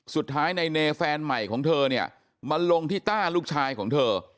สุดท้ายในเนแฟนใหม่ของเธอเนี่ยมาลงที่ต้าลูกชายของเธอ